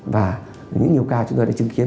và những nhiều ca chúng tôi đã chứng kiến